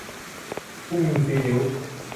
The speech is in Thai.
กุ้งนึ่งซีอิ๊ว